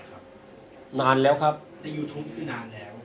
คุณพูดไว้แล้วตั้งแต่ต้นใช่ไหมคะ